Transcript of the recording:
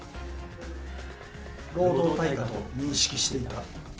労働対価と認識していた。